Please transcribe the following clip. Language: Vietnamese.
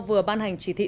vừa ban hành chỉ thị